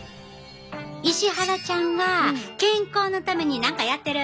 石原ちゃんは健康のために何かやってる？